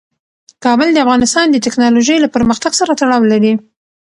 کابل د افغانستان د تکنالوژۍ له پرمختګ سره تړاو لري.